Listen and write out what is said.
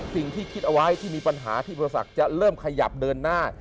สิ่งที่คิดเอาไว้ที่มีปัญหาที่โปรศักดิ์จะเริ่มขยับเดินหน้า